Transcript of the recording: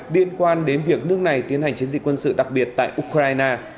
liên quan đến việc nước này tiến hành chiến dịch quân sự đặc biệt tại ukraine